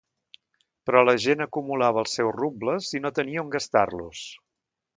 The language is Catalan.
Però la gent acumulava els seus rubles i no tenia on gastar-los.